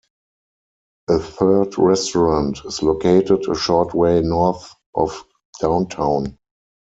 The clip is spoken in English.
A third restaurant is located a short way north of downtown.